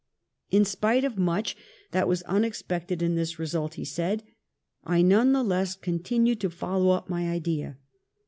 ^'In spite of much that was unexpected in this result," he said, "I none the less continued to follow up my idea.